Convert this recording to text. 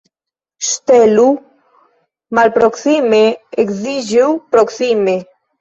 Ŝtelu malproksime, edziĝu proksime.